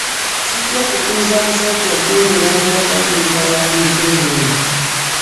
Sijja kukkiriza musajja kungoba mu maka ge ntawaanidde bwenti.